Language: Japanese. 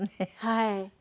はい。